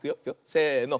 せの。